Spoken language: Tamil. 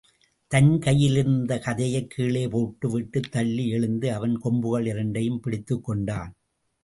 தன் கையிலிருந்த கதையைக் கீழே போட்டு விட்டுத் துள்ளி எழுந்து, அதன் கொம்புகள் இரண்டையும் பிடித்துக்கொண்டான்.